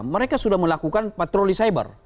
mereka sudah melakukan patroli cyber